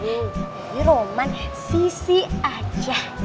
iya roman sisi aja